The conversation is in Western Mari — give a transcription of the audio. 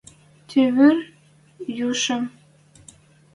– Ти вӹр йӱшӹм?!